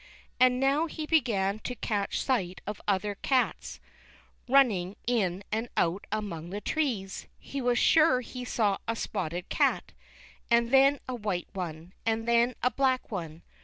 And now he began to catch sight of other cats run ning in and out among the trees ; he was sure he saw a spotted cat, and then a white one, and then a black one.